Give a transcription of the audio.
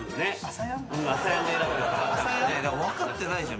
分かってないじゃん